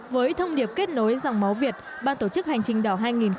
với thông điệp kết nối dòng máu việt ban tổ chức hành trình đỏ hai nghìn một mươi chín